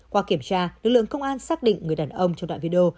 qua kiểm tra lực lượng công an xác định người đàn ông trong đoạn video